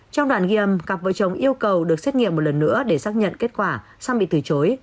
trong đoàn ghi âm cặp vợ chồng yêu cầu được xét nghiệm một lần nữa để xác nhận kết quả xong bị từ chối